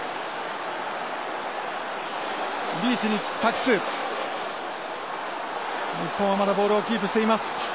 リーチに託す日本はまだボールをキープしています。